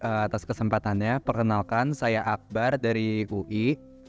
atas kesempatannya perkenalkan saya akbar dari ui